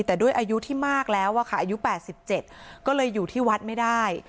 แต่ด้วยอายุที่มากแล้วอะค่ะอายุ๘๗ก็เลยอยู่ที่วัดไม่ได้